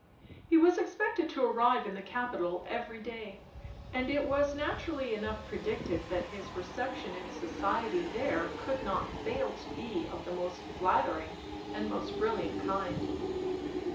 He was expected to arrive in the capital every day; and it was naturally enough predicted that his reception in society there could not fail to be of the most flattering and most brilliant kind.